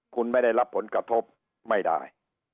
คุณไม่ได้รับผลกระทบไม่ได้